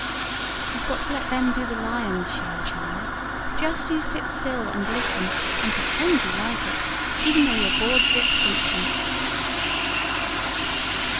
"You've got to let them do the lion's share, child. Just you sit still, and listen, and pretend you like it even though you're bored to extinction."